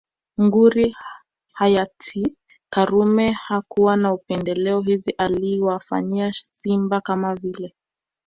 Nguri hayati karume hakuwa na upendeleo hivyo aliwafanyia simba kama vile